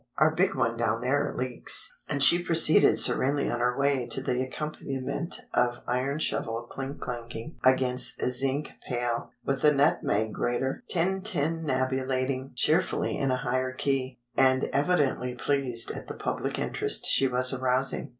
Our big one down there leaks." And she proceeded serenely on her way to the accompaniment of iron shovel clink clanging against zinc pail, with the nutmeg grater tintinnabulating cheerfully in a higher key—and evidently pleased at the public interest she was arousing.